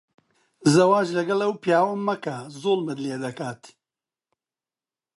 زەواج لەگەڵ ئەو پیاوە مەکە. زوڵمت لێ دەکات.